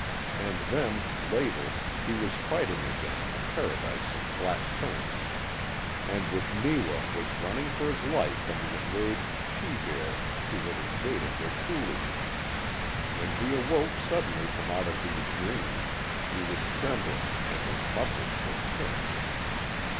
And then, later, he was fighting again in the paradise of black currants, and with Neewa was running for his life from the enraged she bear who had invaded their coulee. When he awoke suddenly from out of these dreams he was trembling and his muscles were tense.